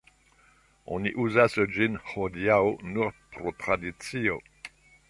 Oni uzas ĝin hodiaŭ nur pro tradicio.